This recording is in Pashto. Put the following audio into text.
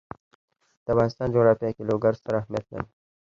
د افغانستان جغرافیه کې لوگر ستر اهمیت لري.